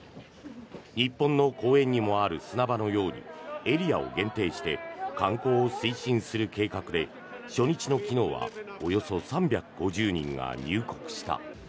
日本の公園にもある砂場のようにエリアを限定して観光を推進する計画で初日の昨日はおよそ３５０人が入国した。